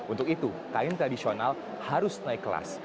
untuk itu kain tradisional harus naik kelas